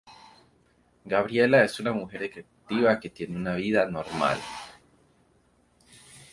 Gabriela es una mujer ejecutiva que tiene una vida normal.